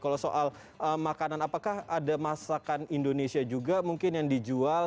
kalau soal makanan apakah ada masakan indonesia juga mungkin yang dijual